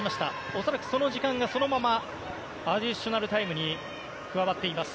恐らくその時間がそのままアディショナルタイムに加わっています。